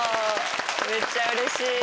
めっちゃうれしい！